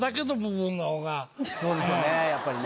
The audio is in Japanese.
そうですよねやっぱりね。